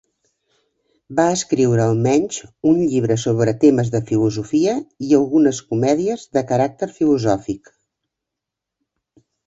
Va escriure almenys un llibre sobre temes de filosofia i algunes comèdies de caràcter filosòfic.